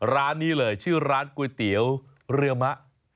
ร้านนี้เลยชื่อร้านก๋วยเตี๋ยวเรือมะ